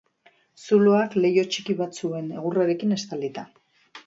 Zuloak leiho txiki bat zuen, egurrarekin estalita.